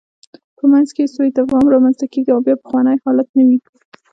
په منځ کې یې سوء تفاهم رامنځته کېږي او بیا پخوانی حالت نه وي.